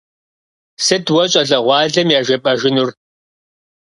Сыт уэ щӏалэгъуалэм яжепӏэжынур?